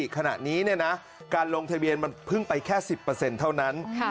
ขณะนี้การลงทะเบียนมันเพิ่งไปแค่๑๐เท่านั้น